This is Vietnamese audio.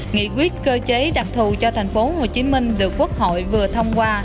nghị quyết cơ chế đặc thù cho thành phố hồ chí minh được quốc hội vừa thông qua